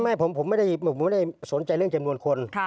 ไม่ผมไม่ได้สนใจเรื่องจำนวนคน